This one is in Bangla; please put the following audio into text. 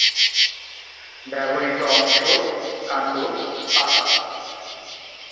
ব্যবহৃত অংশ: কাণ্ড, পাতা।